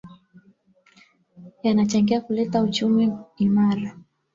yanachangia kuleta uchumi imara